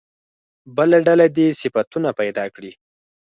بله ډله دې صفتونه پیدا کړي.